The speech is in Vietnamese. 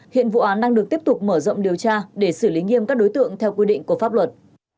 hiện vụ án đang được tiếp tục mở rộng điều tra để xử lý nghiêm các đối tượng theo quy định của pháp luật